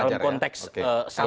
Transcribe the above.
dalam konteks umumnya